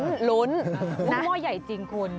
กุ้งโม่ใหญ่จริงคุณ